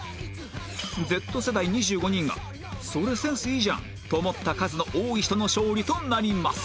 Ｚ 世代２５人がそれセンスいいじゃんと思った数の多い人の勝利となります